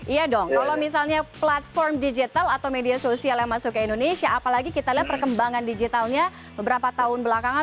iya dong kalau misalnya platform digital atau media sosial yang masuk ke indonesia apalagi kita lihat perkembangan digitalnya beberapa tahun belakangan